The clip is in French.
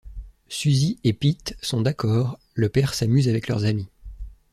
Susi et Pitt sont d'accord, le père s'amuse avec leurs amis.